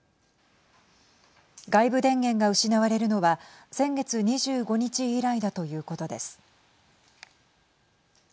外部電源が失われるのは先月２５日以来だということです。